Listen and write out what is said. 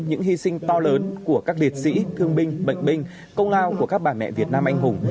những hy sinh to lớn của các liệt sĩ thương binh bệnh binh công lao của các bà mẹ việt nam anh hùng